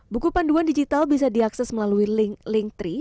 buku panduan digital bisa diakses melalui link link tiga